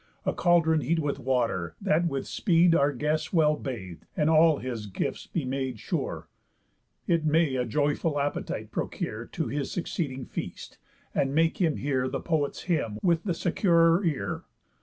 A caldron heat with water, that with speed Our guest well bath'd, and all his gifts made sure, It may a joyful appetite procure To his succeeding feast, and make him hear The poet's hymn with the securer ear.